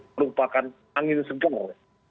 merupakan angin segar